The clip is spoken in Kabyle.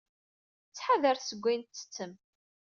Ttḥadaret seg wayen tettettem.